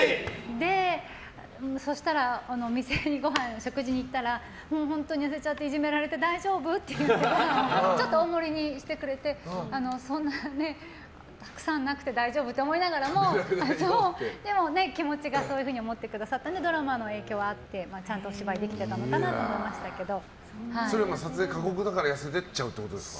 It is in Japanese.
そしたら、お店に食事に行ったら本当に痩せちゃっていじめられて大丈夫？って言ってくれてちょっと大盛りにしてくれてそんなたくさんなくて大丈夫って思いながらも気持ちがそういうふうに思ってくださったのでドラマの影響はあってちゃんとお芝居できてたのかなとそれは撮影が苛酷だから痩せていっちゃうということですか？